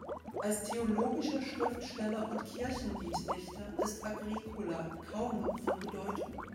Als theologischer Schriftsteller und Kirchenlieddichter ist Agricola kaum noch von Bedeutung.